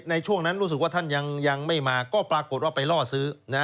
ในช่วงนั้นรู้สึกว่าท่านยังไม่มาก็ปรากฏว่าไปล่อซื้อ